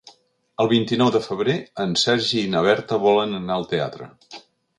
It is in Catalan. El vint-i-nou de febrer en Sergi i na Berta volen anar al teatre.